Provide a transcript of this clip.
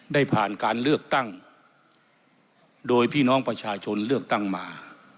ได้ผ่านการเลือกตั้งโดยพี่น้องประชาชนเลือกตั้งมา